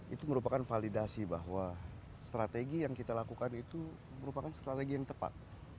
itu merupakan validasi bahwa strategi yang kita lakukan itu merupakan strategi yang tepat